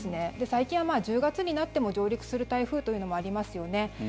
最近は１０月になっても上陸する台風というのもありますよね。